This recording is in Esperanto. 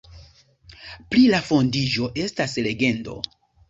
Pri la fondiĝo estas legendo.